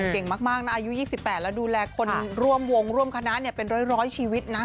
เก่งมากนะอายุ๒๘แล้วดูแลคนร่วมวงร่วมคณะเป็นร้อยชีวิตนะ